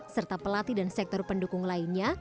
serta pelatih dan sektor pendukung lainnya